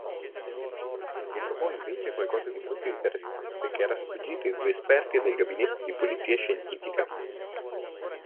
E trovò, invece, qualcosa di molto interessante, che era sfuggito ai due esperti del Gabinetto di Polizia Scientifica.